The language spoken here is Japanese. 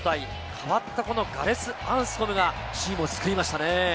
代わったガレス・アンスコムがチームを救いましたね。